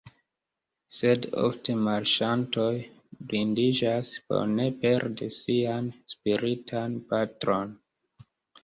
Sed ofte marŝantoj blindiĝas por ne perdi sian spiritan patron.